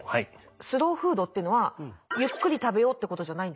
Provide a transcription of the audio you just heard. スローフードっていうのはゆっくり食べようってことじゃないんですか？